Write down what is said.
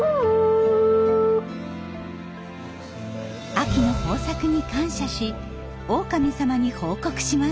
秋の豊作に感謝しオオカミ様に報告します。